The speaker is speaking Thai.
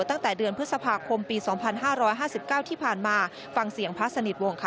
ตั้งแต่เดือนพฤษภาคมปี๒๕๕๙ที่ผ่านมาฟังเสียงพระสนิทวงศ์ค่ะ